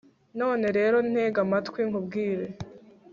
none rero ntega amatwi nkubwire